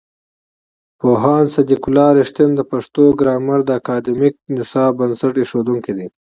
پوهاند صدیق الله رښتین د پښتو ګرامر د اکاډمیک نصاب بنسټ ایښودونکی دی.